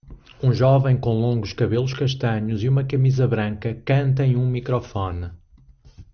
Um jovem com longos cabelos castanhos e uma camisa branca canta em um microfone